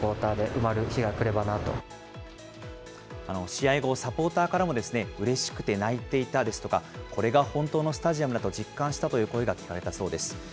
試合後、サポーターからもうれしくて泣いていたですとか、これが本当のスタジアムだと実感したという声が聞かれたそうです。